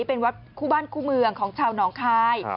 เป็นวัดคู่บ้านคู่เมืองของชาวหนองคาย